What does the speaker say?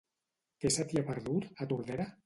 Què se t'hi ha perdut, a Tordera?